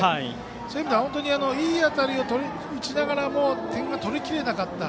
そういう意味ではいい当たりを打ちながらも点が取りきれなかった。